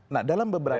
nah dalam beberapa